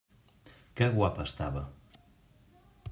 Que guapa estava!